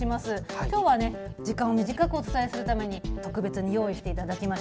きょうはね、時間を短くお伝えするために特別に用意していただきました。